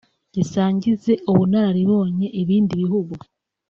gisangize ubunararibonye ibindi bihugu